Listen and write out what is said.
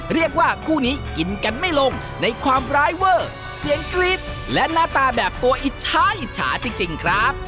เรียกว่าคู่นี้กินกันไม่ลงในความร้ายเวอร์เสียงกรี๊ดและหน้าตาแบบตัวอิจฉาอิจฉาจริงครับ